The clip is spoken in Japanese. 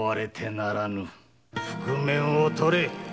覆面を取れ。